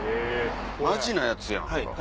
マジのやつやんか。